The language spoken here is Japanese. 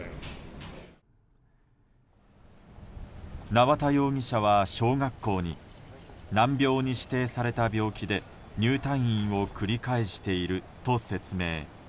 縄田容疑者は小学校に難病に指定された病気で入退院を繰り返していると説明。